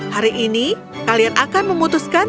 hari ini kalian akan memutuskan